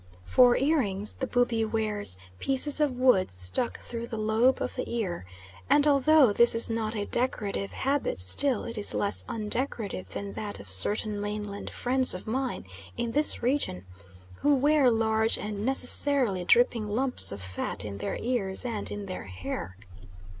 For earrings the Bubi wears pieces of wood stuck through the lobe of the ear, and although this is not a decorative habit still it is less undecorative than that of certain mainland friends of mine in this region, who wear large and necessarily dripping lumps of fat in their ears and in their hair.